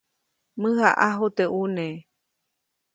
Mäjaʼaju teʼ ʼune.